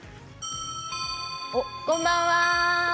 こんばんは。